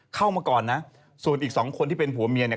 เข้ามาก่อนนะส่วนอีกสองคนที่เป็นผู้เพื่อนเมีย